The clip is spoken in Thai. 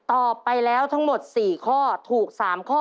ตอบไปแล้วทั้งหมด๔ข้อถูก๓ข้อ